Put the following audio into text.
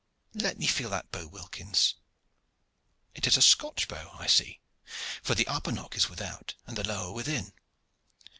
Let me feel that bow, Wilkins! It is a Scotch bow, I see, for the upper nock is without and the lower within.